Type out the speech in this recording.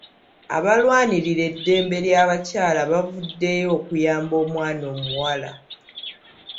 Abalwanirira eddembe ly'abakyala bavuddeyo okuyamba omwana omuwala.